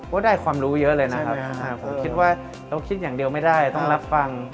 ได้ความรู้เยอะเลยนะครับผมคิดว่าเราคิดอย่างเดียวไม่ได้ต้องรับฟัง